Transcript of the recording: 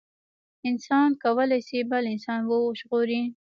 انسان کولي شي بل انسان وژغوري